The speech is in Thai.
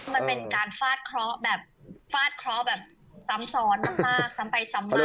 มันเป็นการฟาดเคราะห์แบบฟาดเคราะห์แบบซ้ำซ้อนมากซ้ำไปซ้ำมา